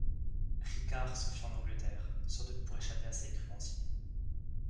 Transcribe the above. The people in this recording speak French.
Ricard s'enfuit en Angleterre, sans doute pour échapper à ses créanciers.